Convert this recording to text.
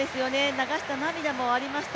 流した涙もありました、